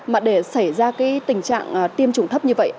mà để xảy ra cái tình trạng tiêm chủng thấp như vậy